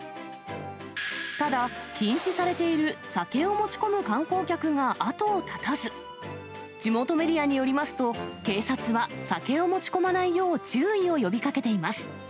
ただ、禁止されている酒を持ち込む観光客が後を絶たず、地元メディアによりますと、警察は酒を持ち込まないよう注意を呼びかけています。